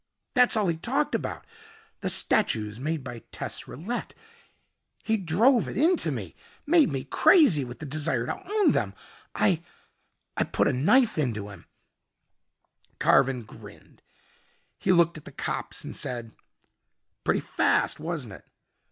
That's all he talked about the statues made by Tess Rillette. He drove it into me made me crazy with the desire to own them. I I put a knife into him " Carven grinned. He looked at the cops and said, "Pretty fast, wasn't it?